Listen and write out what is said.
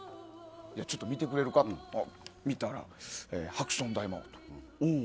ちょっと見てくれるかって、見たら、ハクション大魔王。